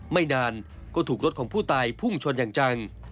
ไม่นานก็ถูกรถของผู้ตายพุ่งชนอย่างจัง